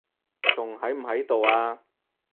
仲喺唔喺度啊？